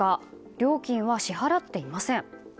料金は支払っていません。